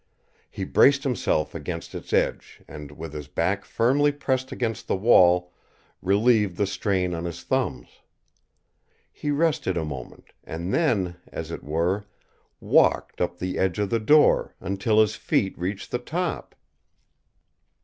He braced himself against its edge and, with his back firmly pressed against the wall, relieved the strain on his thumbs. He rested a moment and then, as it were, walked up the edge of the door until his feet reached the top.